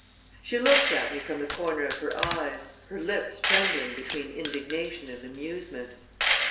She looked at me from the corner of her eyes, her lips trembling between indignation and amusement.